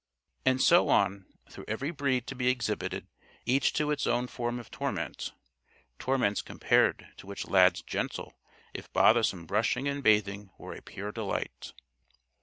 And so on, through every breed to be exhibited each to its own form of torment; torments compared to which Lad's gentle if bothersome brushing and bathing were a pure delight!